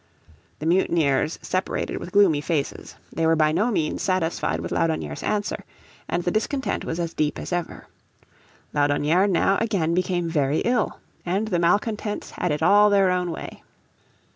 The mutineers separated with gloomy faces; they were by no means satisfied with Laudonnière's answer, and the discontent was as deep as ever. Laudonnière now again became very ill and the malcontents had it all their own way.